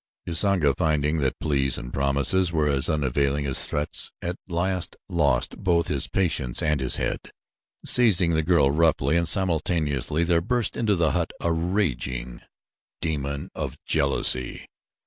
Usanga finding that pleas and promises were as unavailing as threats, at last lost both his patience and his head, seizing the girl roughly, and simultaneously there burst into the hut a raging demon of jealousy.